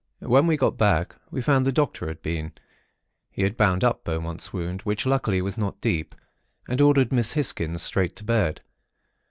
"When we got back, we found that the Doctor had been. He had bound up Beaumont's wound, which, luckily, was not deep, and ordered Miss Hisgins straight to bed.